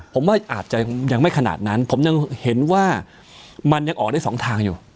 ผมว่าอาจจะยังไม่ขนาดนั้นผมยังเห็นว่ามันยังออกได้สองทางอยู่